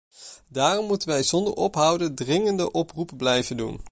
Daarom moeten wij zonder ophouden dringende oproepen blijven doen.